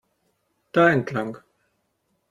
Da entlang!